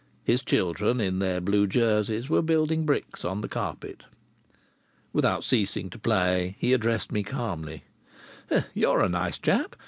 His children in their blue jerseys were building bricks on the carpet. Without ceasing to play he addressed me calmly: "You're a nice chap!